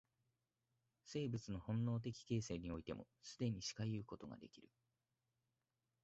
生物の本能的形成においても、既にしかいうことができる。